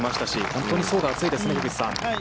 本当に層が厚いですね樋口さん。